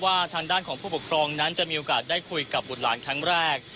ทางด้านของผู้ปกครองนั้นจะมีโอกาสได้คุยกับบุตรหลานครั้งแรก